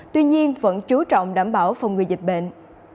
tuy nhiên vẫn chú trọng đảm bảo phòng người dịch bệnh